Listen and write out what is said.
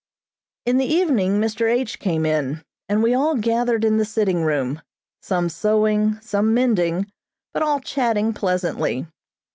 In the evening Mr. H. came in, and we all gathered in the sitting room, some sewing, some mending, but all chatting pleasantly.